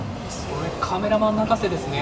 これ、カメラマン泣かせですね。